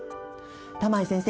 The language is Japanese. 玉井先生